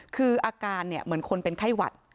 คืออาการเหมือนคนเป็นไข้หวัด